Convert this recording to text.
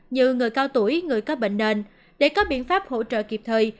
như người cao tuổi người có bệnh nền để có biện pháp hỗ trợ kịp thời